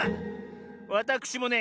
わたくしもね